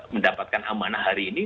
mendapatkan amanah hari ini